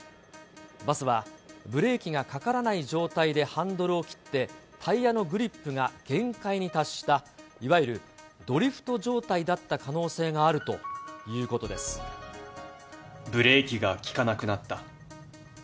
バスはブレーキがかからない状態でハンドルを切って、タイヤのグリップが限界に達した、いわゆるドリフト状態だった可能ブレーキが利かなくなった。